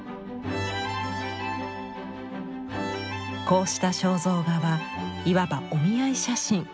こうした肖像画はいわばお見合い写真。